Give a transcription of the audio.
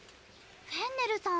フェンネルさん